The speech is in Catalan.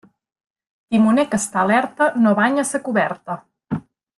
Timoner que està alerta no banya sa coberta.